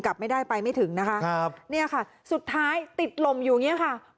กลับไม่ได้ไปไม่ถึงนี่ครับสุดท้ายติดลมอยู่อย่างนี้